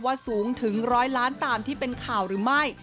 สูงถึงร้อยล้านตามที่เป็นข่าวหรือไม่